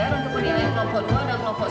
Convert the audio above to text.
lalu penilaian kelompok dua dan kelompok satu